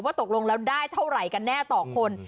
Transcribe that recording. ตกลงแล้วได้เท่าไหร่กันแน่ต่อคน